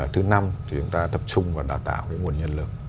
thứ năm thì chúng ta tập trung vào đào tạo cái nguồn nhân lực